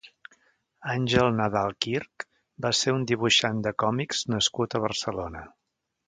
Àngel Nadal Quirch va ser un dibuixant de còmics nascut a Barcelona.